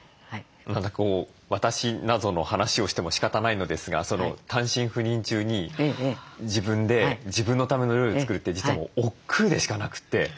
何か私なぞの話をしてもしかたないのですが単身赴任中に自分で自分のための料理を作るって実は億劫でしかなくて。